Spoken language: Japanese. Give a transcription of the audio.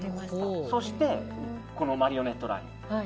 そして、マリオネットライン